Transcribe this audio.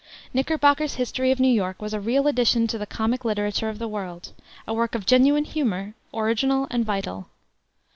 Knickerbocker's History of New York was a real addition to the comic literature of the world; a work of genuine humor, original and vital.